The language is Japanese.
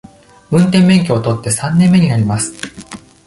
運転免許を取って三年目になります。